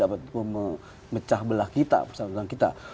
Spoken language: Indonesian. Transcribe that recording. dapat memecah belah kita persatuan kita